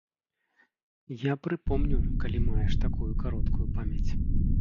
Я прыпомню, калі маеш такую кароткую памяць.